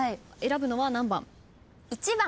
選ぶのは何番？